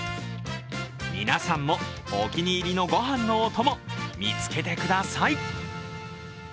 皆さんもお気に入りのご飯のお供、見つけてください。